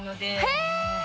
へえ！